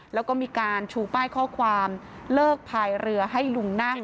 แล้วก็มีการชูป้ายข้อความเลิกพายเรือให้ลุงนั่ง